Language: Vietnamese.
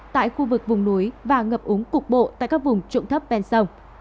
tại khu vực vùng núi và ngập úng cục bộ tại các vùng trụng thấp ven sông